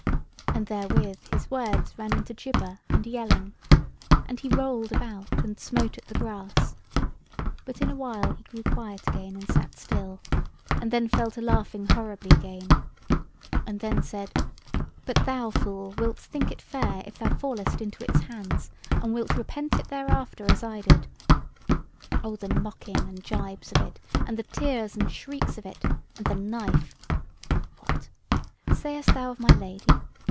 And therewith his words ran into gibber and yelling, and he rolled about and smote at the grass: but in a while he grew quiet again and sat still, and then fell to laughing horribly again, and then said: "But thou, fool, wilt think It fair if thou fallest into Its hands, and wilt repent it thereafter, as I did. Oh, the mocking and gibes of It, and the tears and shrieks of It; and the knife! What! sayest thou of my Lady?